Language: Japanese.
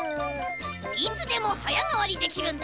いつでもはやがわりできるんだ。